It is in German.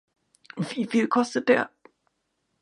Wieviel kostet der?